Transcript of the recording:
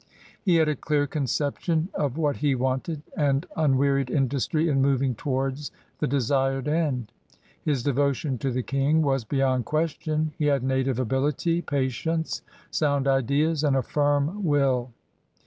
He had a clear conception of what he wanted and unwearied industry in moving towards the desired end. His devotion to the King was beyond question; he had native ability, patience, sound ideas, and a firm will.